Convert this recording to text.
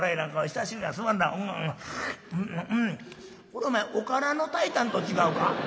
これはお前おからの炊いたんと違うか？」。